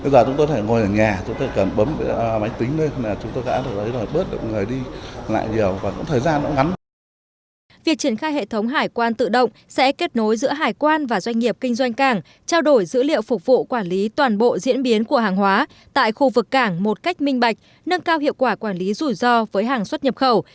việc triển khai hệ thống hải quan tự động sẽ kết nối giữa hải quan và doanh nghiệp kinh doanh cảng trao đổi dữ liệu phục vụ quản lý toàn bộ diễn biến của hàng hóa tại khu vực cảng một cách minh bạch nâng cao hiệu quả quản lý rủi ro với hàng xuất nhập khẩu